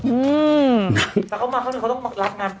แต่เขามาเข้าในเขาต้องรับงาน